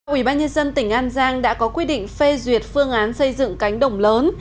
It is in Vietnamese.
ủy ban nhân dân tỉnh an giang đã có quy định phê duyệt phương án xây dựng cánh đồng lớn